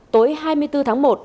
tối hai mươi bốn tháng một